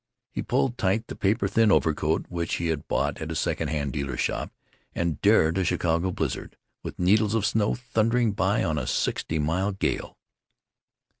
He pulled tight the paper thin overcoat which he had bought at a second hand dealer's shop, and dared a Chicago blizzard, with needles of snow thundering by on a sixty mile gale.